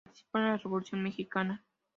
Participó en la revolución mexicana.